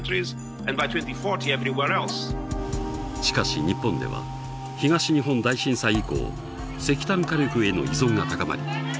しかし日本では東日本大震災以降石炭火力への依存が高まり